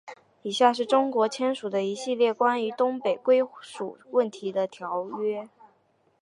以下是中国签署的一系列关于东北归属问题的条约。